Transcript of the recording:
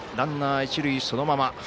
ランナー、一塁、そのまま。